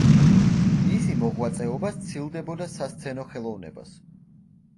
მისი მოღვაწეობა სცილდებოდა სასცენო ხელოვნებას.